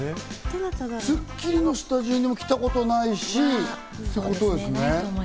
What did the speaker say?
『スッキリ』のスタジオにも来たことないしってことですね。